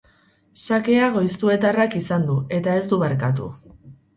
Sakea goizuetarrak izan du, eta ez du barkatu.